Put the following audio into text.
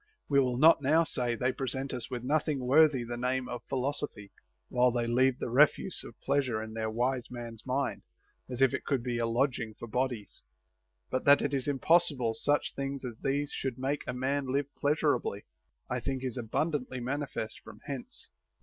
We will not now say, they present us with nothing worthy the name of philosophy, while they leave the refuse of pleas ure in their wise mans mind, as if it could be a lodimia; for bodies ; but that it is impossible such things as these should make a man live pleasurably, I think is abun dantly manifest from hence.